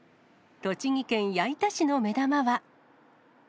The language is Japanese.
栃木県矢板市の目玉は。